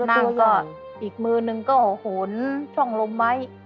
นั่งก็อีกมือนึงก็โหนช่องลมไว้